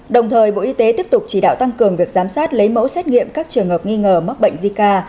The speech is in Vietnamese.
đồng thời bộ y tế tiếp tục chỉ đạo tăng cường việc giám sát lấy mẫu xét nghiệm các trường hợp nghi ngờ mắc bệnh zika